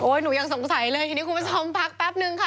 หนูยังสงสัยเลยทีนี้คุณผู้ชมพักแป๊บนึงค่ะ